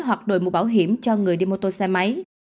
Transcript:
hoặc đổi mũ bảo hiểm cho người đi mô tô xe máy